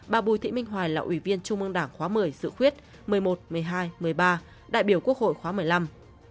bà bùi thị minh hoài là ủy viên trung ương đảng khóa một mươi dự khuyết một mươi một một mươi hai một mươi ba đại biểu quốc hội khóa một mươi năm